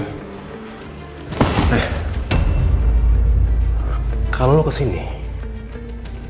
tidak ada orang yang mungkulin gue pak